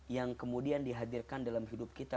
yang kemudian dihadirkan dalam hidup kita